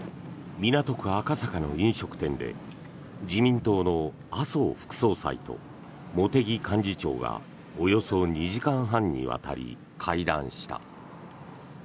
港区赤坂の飲食店で自民党の麻生副総裁と茂木幹事長がおよそ２時間半にわたり会談した。